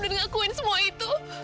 untuk mengakuin semua itu